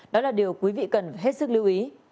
đó là điều quý vị cần hết sức lưu ý